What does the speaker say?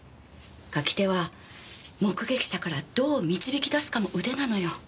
描き手は目撃者からどう導き出すかも腕なのよ。